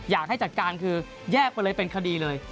อยากให้จัดการคือแยกไปเลยเป็นคดีเลย